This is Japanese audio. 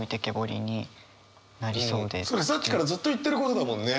それさっきからずっと言ってることだもんね。